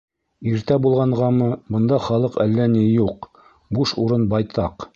Иртә булғанғамы, бында халыҡ әллә ни юҡ, буш урын байтаҡ.